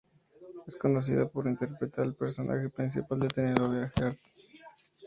Es conocida por interpretar el personaje principal de la telenovela "Heart".